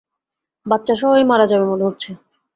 বাচ্চা সহই মারা যাবে মনে হচ্ছে।